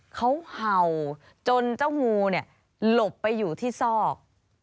เขาเห่าจนเจ้างูเนี่ยหลบไปอยู่ที่ซอก